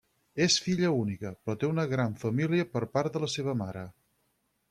És filla única, però té una gran família per part de la seva mare.